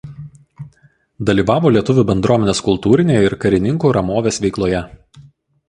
Dalyvavo Lietuvių bendruomenės kultūrinėje ir karininkų Ramovės veikloje.